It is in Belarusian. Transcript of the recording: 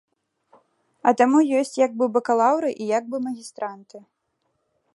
А таму ёсць як бы бакалаўры і як бы магістранты.